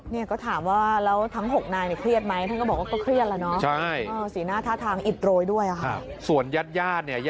นี่ก็ถามว่าแล้วทั้งหกนายมีเครียดไหม